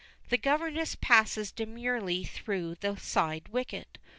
The governess passes demurely through the side wicket.